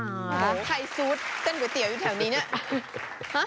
แล้วใครซูดเส้นก๋วยเตี๋ยวอยู่แถวนี้เนี่ย